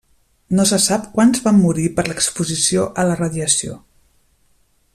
No se sap quants van morir per l'exposició a la radiació.